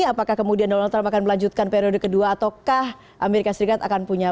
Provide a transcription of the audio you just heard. apakah kemudian donald trump akan melanjutkan periode kedua ataukah amerika serikat akan punya